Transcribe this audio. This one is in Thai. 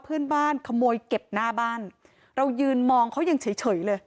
เพื่อนบ้านขโมยเก็บหน้าบ้านเรายืนมองเขายังเฉยเฉยเลย